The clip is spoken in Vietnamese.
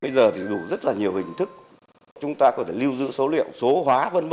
bây giờ thì đủ rất là nhiều hình thức chúng ta có thể lưu giữ số liệu số hóa v v